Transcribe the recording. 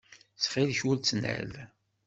Ttxil-k, ur ttnal.